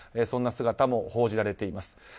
そんな姿も報じられています。